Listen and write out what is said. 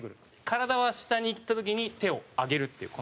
体は下にいった時に手を上げるっていう